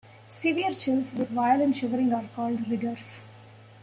Severe chills with violent shivering are called rigors.